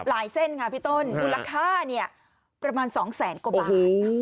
หลายเส้นค่ะพี่ต้นคือราคาเนี่ยประมาณสองแสนกว่าบาทโอ้โห